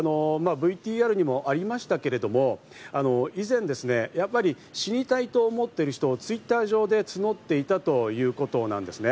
ＶＴＲにもありましたけれども、以前、死にたいと思っている人をＴｗｉｔｔｅｒ上で募っていたということです。